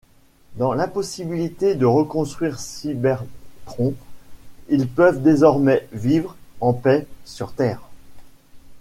Dans l'impossibilité de reconstruire Cybertron, ils peuvent désormais vivre en paix sur terre.